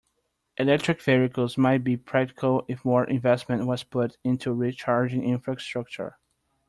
Electric Vehicles might be practical if more investment was put into recharging infrastructure.